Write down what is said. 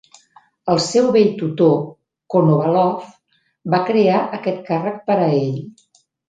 El seu vell tutor, Konovalov, va crear aquest càrrec per a ell.